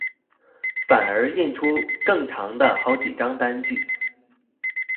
反而印出更長的好幾張單據